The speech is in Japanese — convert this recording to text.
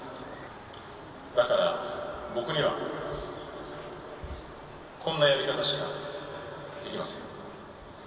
だから僕には、こんなやり方しかできません。